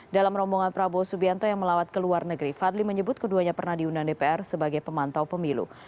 dalam rombongan prabowo subianto yang melawat ke luar negeri fadli menyebut keduanya pernah diundang dpr sebagai pemantau pemilu